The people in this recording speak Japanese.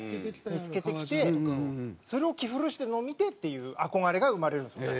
見付けてきてそれを着古してるのを見てっていう憧れが生まれるんですよね。